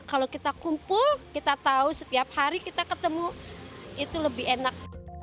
kalau kita kumpul kita tahu setiap hari kita ketemu itu lebih enak